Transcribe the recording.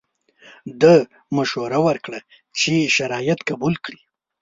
ده مشوره ورکړه چې شرایط قبول کړي.